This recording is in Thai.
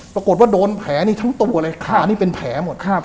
ปรากฏว่าโดนแผลนี่ทั้งตัวเลยขานี่เป็นแผลหมด